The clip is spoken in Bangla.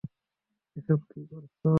এসব কী করছ?